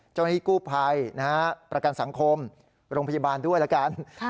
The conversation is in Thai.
เจ้าหน้าที่กู้ภัยประกัญสังคมโรงพยาบาลรจมัยก็ลงไปด้วย